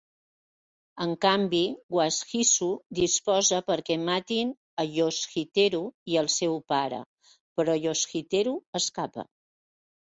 En canvi, Washizu disposa perquè matin a Yoshiteru i al seu pare, però Yoshiteru escapa.